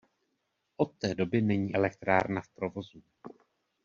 Od té doby není elektrárna v provozu.